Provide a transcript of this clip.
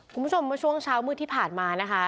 คุณผู้ชมเมื่อช่วงเช้ามืดที่ผ่านมานะคะ